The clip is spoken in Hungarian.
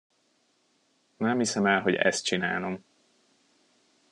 Nem hiszem el, hogy ezt csinálom.